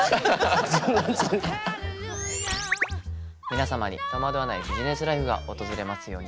皆様に戸惑わないビジネスライフが訪れますように。